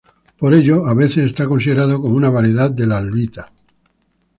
Por ello, a veces es considerada como una variedad de la albita.